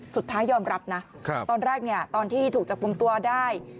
สุดท้ายยอมรับนะตอนแรกตอนที่ถูกจับกลุ่มตัวได้